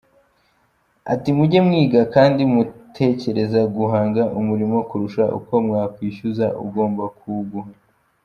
Ati mujye mwiga kandi mutekereza guhanga umulimo kurusha uko mwakwishyuza ugomba kuwuguha.